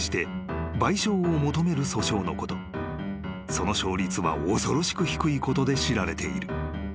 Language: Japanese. ［その勝率は恐ろしく低いことで知られている］